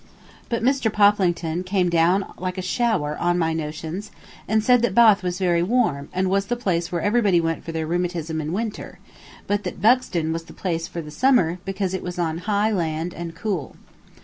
But Mr. Poplington came down like a shower on my notions, and said that Bath was very warm, and was the place where everybody went for their rheumatism in winter; but that Buxton was the place for the summer, because it was on high land and cool.